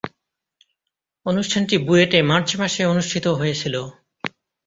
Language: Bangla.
অনুষ্ঠানটি বুয়েটে মার্চ মাসে অনুষ্ঠিত হয়েছিলো।